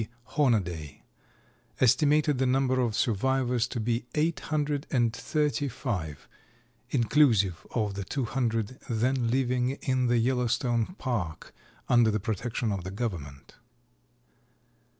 Hornaday estimated the number of survivors to be eight hundred and thirty five, inclusive of the two hundred then living in the Yellowstone Park under the protection of the government."